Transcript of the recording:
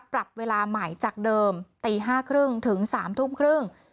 ปรับเวลาใหม่จากเดิมตี๕๓๐ถึง๓๓๐